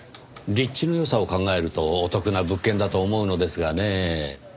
立地の良さを考えるとお得な物件だと思うのですがねぇ。